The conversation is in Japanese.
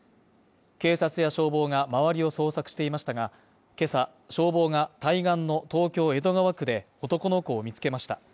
警察や消防が周りを捜索していましたが、今朝、消防が対岸の東京江戸川区で男の子を見つけました。